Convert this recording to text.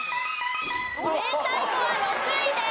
明太子は６位です！